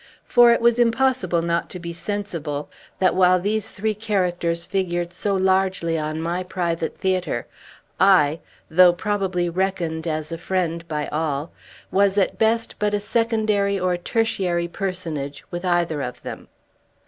For it was impossible not to be sensible that, while these three characters figured so largely on my private theatre, I though probably reckoned as a friend by all was at best but a secondary or tertiary personage with either of them.